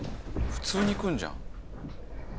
普通に来るじゃん。